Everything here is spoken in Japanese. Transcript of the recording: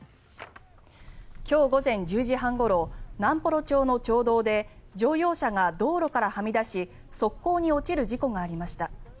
今日午前１０時半ごろ南幌町の町道で乗用車が道路からはみ出し側溝に落ちる事故がありました。